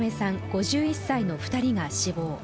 ５１歳の２人が死亡。